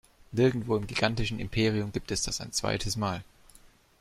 Nirgendwo im gigantischen Imperium gibt es das ein zweites Mal.